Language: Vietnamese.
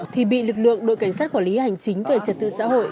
thì bị lực lượng đội cảnh sát quản lý hành chính về trật tự xã hội